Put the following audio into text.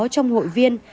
trong hội viên